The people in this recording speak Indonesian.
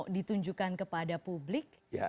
ditunjukkan kepada publik